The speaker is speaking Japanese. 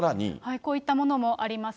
こういったものもあります。